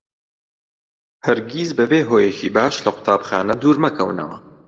هەرگیز بەبێ هۆیەکی باش لە قوتابخانە دوور مەکەونەوە.